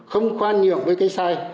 không khoan nhượng với cây sai